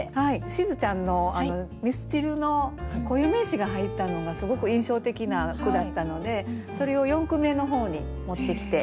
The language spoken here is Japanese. しずちゃんの「ミスチル」の固有名詞が入ったのがすごく印象的な句だったのでそれを四句目の方に持ってきて。